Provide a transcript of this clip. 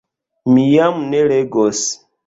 Mi jam ne legos,...